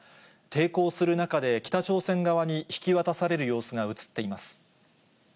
抵抗する中で、北朝鮮側に引き渡される様子が映っています。